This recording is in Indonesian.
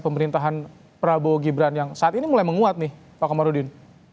pemerintahan prabowo gibran yang saat ini mulai menguat nih pak komarudin